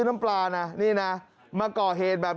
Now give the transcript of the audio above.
คุณผู้ชมครับไอ้หนุ่มพวกนี้มันนอนปาดรถพยาบาลครับ